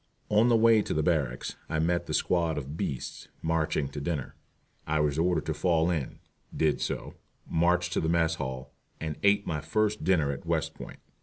On the way to barracks I met the squad of "beasts" marching to dinner. I was ordered to fall in, did so, marched to the mess hall, and ate my first dinner at West Point.